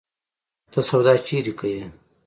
ته سودا چيري کيې؟